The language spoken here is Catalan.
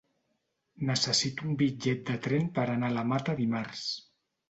Necessito un bitllet de tren per anar a la Mata dimarts.